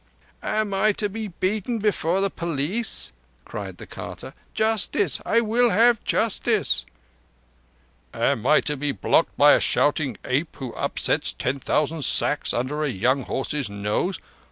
"Am I to be beaten before the police?" cried the carter. "Justice! I will have Justice—" "Am I to be blocked by a shouting ape who upsets ten thousand sacks under a young horse's nose?